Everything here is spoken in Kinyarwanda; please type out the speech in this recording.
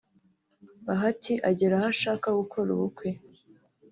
Bahati agera aho ashaka gukora ubukwe